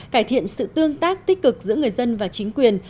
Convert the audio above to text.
cải thiện sự tương tác tích cực giữa người dân và chính quyền